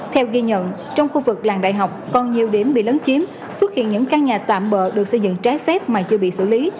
theo ghi nhận trong khu vực làng đại học còn nhiều điểm bị lấn chiếm xuất hiện những căn nhà tạm bỡ được xây dựng trái phép mà chưa bị xử lý